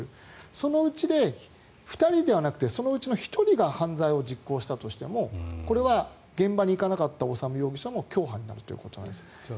そのうちで、２人ではなくてそのうちの１人が犯罪を実行したとしてもこれは現場に行かなかった修容疑者も共犯になるということなんです。